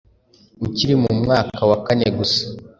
Ukiri mu mwaka wa kane gusa!